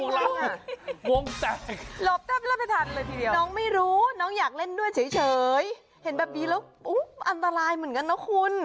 น้องไม่รู้น้องอยากเล่นด้วยเฉยเห็นแบบนี้แล้วอันตรายเหมือนกันนะคุณ